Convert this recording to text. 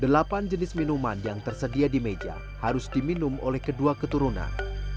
delapan jenis minuman yang tersedia di meja harus diminum oleh kedua keturunan